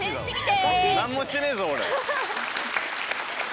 何もしてねえぞ俺。